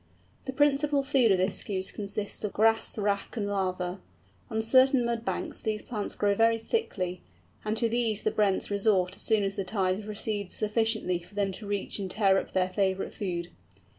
The principal food of this Goose consists of grass, wrack, and laver. On certain mud banks these plants grow very thickly, and to these the Brents resort as soon as the tide recedes sufficiently for them to reach and to tear up their favourite food.